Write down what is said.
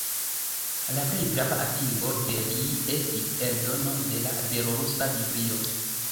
La plej grava atingo de li estis eldono de la belorusa Biblio.